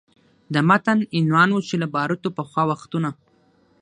د متن عنوان و چې له باروتو پخوا وختونه